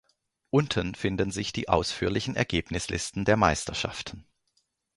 Unten finden sich die ausführlichen Ergebnislisten der Meisterschaften.